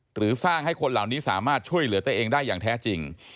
หรือสร้างให้คนเหล่านี้สามารถช่วยเหลือตัวเองได้อย่างแท้จริง